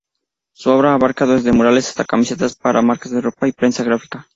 Su obra abarca desde murales hasta camisetas para marcas de ropa y prensa gráfica.